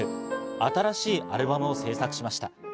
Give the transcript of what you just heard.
新しいアルバムを制作しました。